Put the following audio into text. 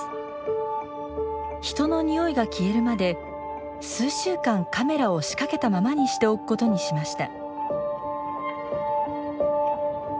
人のニオイが消えるまで数週間カメラを仕掛けたままにしておくことにしました。